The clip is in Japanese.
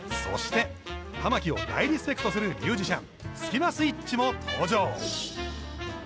そして玉置を大リスペクトするミュージシャンスキマスイッチも登場！